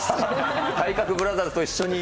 体格ブラザーズと一緒に。